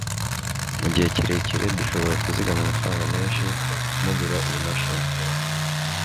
mugihe kirekire, dushobora kuzigama amafaranga menshi mugura iyi mashini